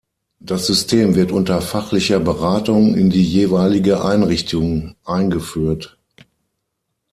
Das System wird unter fachlicher Beratung in die jeweilige Einrichtung eingeführt.